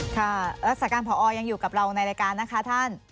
ค่ะรักษาการพอยังอยู่กับเราในรายการนะคะท่าน